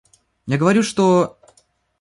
Я говорю, что...